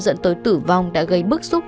dẫn tới tử vong đã gây bức xúc